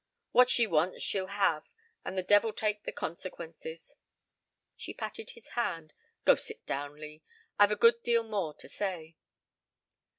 What she wants she'll have and the devil take the consequences." She patted his hand. "Go and sit down, Lee. I've a good deal more to say."